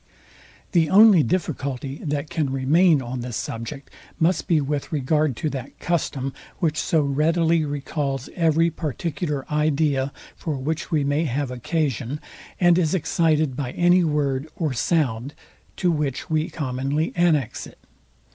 The only difficulty, that can remain on this subject, must be with regard to that custom, which so readily recalls every particular idea, for which we may have occasion, and is excited by any word or sound, to which we commonly annex it.